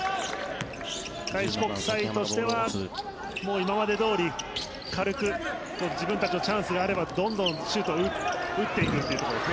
開志国際としては今までどおり軽く自分たちのチャンスがあればどんどんシュートを打っていくっていうことですね。